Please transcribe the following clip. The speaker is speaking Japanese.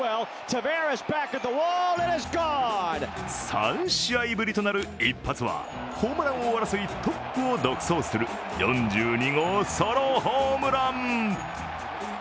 ３試合ぶりとなる一発はホームラン王争いトップを独走する４２号ソロホームラン。